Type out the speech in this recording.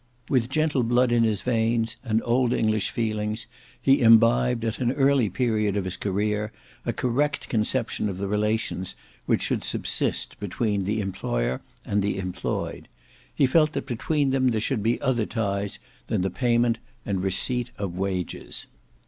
With gentle blood in his veins, and old English feelings, he imbibed, at an early period of his career, a correct conception of the relations which should subsist between the employer and the employed. He felt that between them there should be other ties than the payment and the receipt of wages.